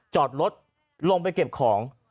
จอดรถลงไปเก็บของ